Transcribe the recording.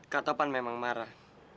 kak topan memang marah